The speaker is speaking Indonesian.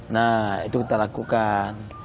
nah itu kita lakukan